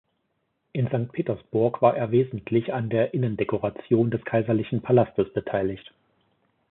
In Sankt Petersburg war er wesentlich an der Innendekoration des kaiserlichen Palastes beteiligt.